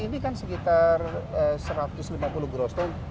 ini kan sekitar satu ratus lima puluh groston